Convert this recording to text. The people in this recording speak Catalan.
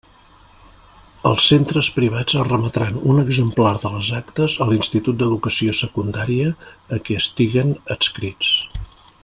Els centres privats remetran un exemplar de les actes a l'institut d'Educació Secundària a què estiguen adscrits.